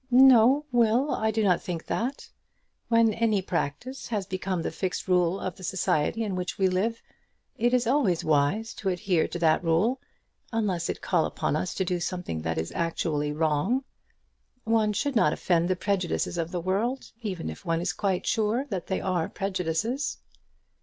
"No, Will; I do not think that. When any practice has become the fixed rule of the society in which we live, it is always wise to adhere to that rule, unless it call upon us to do something that is actually wrong. One should not offend the prejudices of the world, even if one is quite sure that they are prejudices."